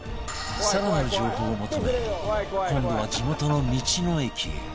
更なる情報を求め今度は地元の道の駅へ